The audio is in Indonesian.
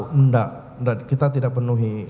tidak kita tidak penuhi